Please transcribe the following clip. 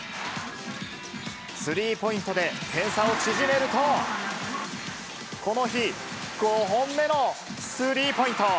スリーポイントで点差を縮めると、この日、５本目のスリーポイント。